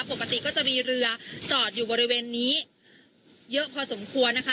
ปกติก็จะมีเรือจอดอยู่บริเวณนี้เยอะพอสมควรนะคะ